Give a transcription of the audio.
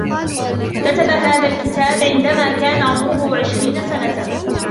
كتب هذا الكتاب عندما كان عمره عشرين سنة.